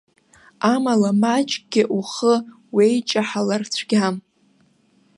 Амала, маҷкгьы ухы уеиҷаҳалар цәгьам.